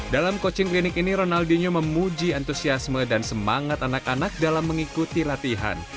dalam coaching klinik ini ronaldinho memuji antusiasme dan semangat anak anak dalam mengikuti latihan